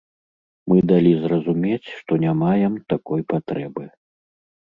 Мы далі зразумець, што не маем такой патрэбы.